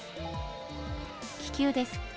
気球です。